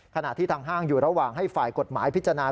ขณะที่ทางห้างอยู่ระหว่างให้ฝ่ายกฎหมายพิจารณา